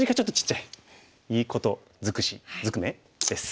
いいこと尽くし尽くめ？です。